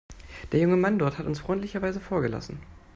Der junge Mann dort hat uns freundlicherweise vorgelassen.